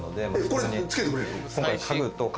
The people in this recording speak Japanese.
これ付けてくれる？